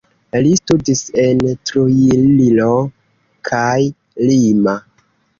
Li studis en Trujillo kaj Lima.